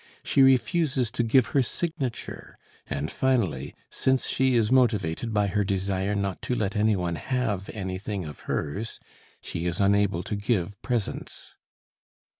She refuses to give her signature, and finally, since she is motivated by her desire not to let anyone have anything of hers, she is unable to give presents.